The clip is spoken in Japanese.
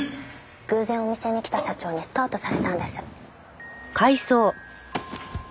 偶然お店に来た社長にスカウトされたんです。